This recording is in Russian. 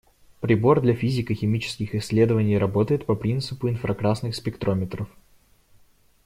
Прибор для физико‑химических исследований работает по принципу инфракрасных спектрометров.